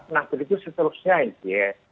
nah begitu seterusnya ya